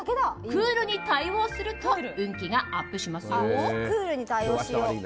クールに対応すると運気がアップしますよ。